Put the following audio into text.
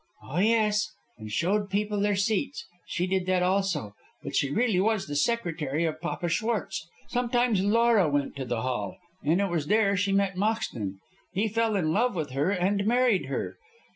"Oh, yes, and showed people to their seats. She did that also, but she really was the secretary of Papa Schwartz. Sometimes Laura went to the hall, and it was there she met Moxton. He fell in love with her and married her.